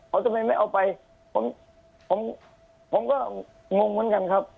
ผมทำไมไม่เอาไปผมก็งงเหมือนกันครับ